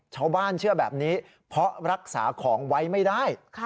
ชาวบ้านเชื่อแบบนี้เพราะรักษาของไว้ไม่ได้